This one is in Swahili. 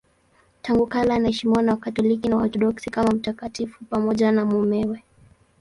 Tangu kale anaheshimiwa na Wakatoliki na Waorthodoksi kama mtakatifu pamoja na mumewe.